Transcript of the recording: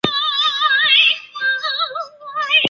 此套字母受爱尔兰剧作家萧伯纳资助并以其命名。